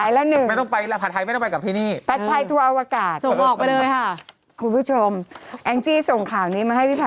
อ่าโอเคแล้วถ้าทำไว้สินะ